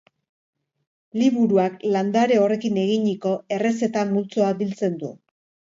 Liburuak landare horrekin eginiko errezeta multzoa biltzen du.